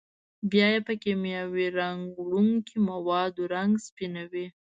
بیا یې په کېمیاوي رنګ وړونکو موادو رنګ سپینوي.